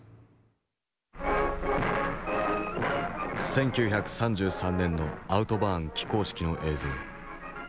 １９３３年のアウトバーン起工式の映像。